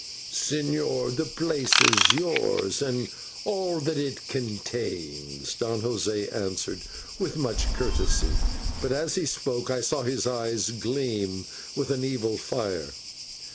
"Señor, the place is yours and all that it contains," Don José answered with much courtesy; but as he spoke I saw his eye gleam with an evil fire.